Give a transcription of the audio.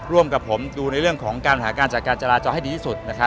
ร่วมกับผมดูในเรื่องของการหาการจัดการจราจรให้ดีที่สุดนะครับ